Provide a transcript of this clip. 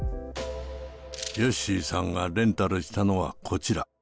よっしーさんがレンタルしたのはこちら。